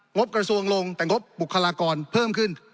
บกระทรวงลงแต่งบบุคลากรเพิ่มขึ้น